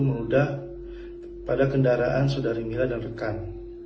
muda pada kendaraan saudari mila dan rekan